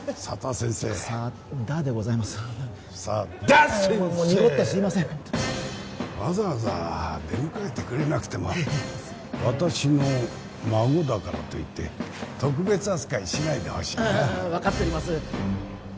先生もう濁ってすいませんわざわざ出迎えてくれなくても私の孫だからといって特別扱いしないでほしいなああ分かっております